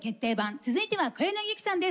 続いては小柳ゆきさんです。